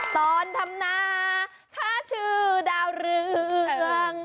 ตอนทำนาค่าชื่อดาวเรือง